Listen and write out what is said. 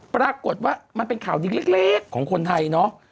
ปรากฏว่ามันเป็นข่าวดีเล็กของคนไทยเนาะ